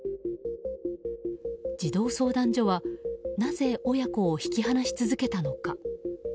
児童相談所はなぜ親子を引き離し続けたのか。